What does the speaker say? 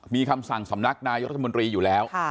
มีคำสั่งสำนักนายรัฐมนตรีอยู่แล้ว